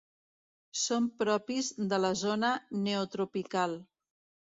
Són propis de la zona Neotropical.